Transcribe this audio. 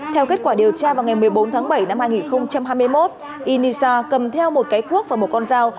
theo kết quả điều tra vào ngày một mươi bốn tháng bảy năm hai nghìn hai mươi một inisa cầm theo một cái cuốc và một con dao